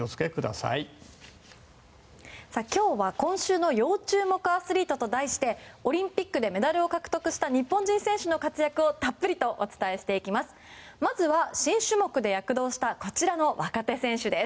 さあ、今日は今週の要注目アスリートと題してオリンピックでメダルを獲得した日本人選手の活躍をたっぷりとお伝えしていきます。